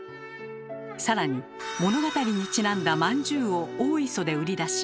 更に物語にちなんだまんじゅうを大磯で売り出し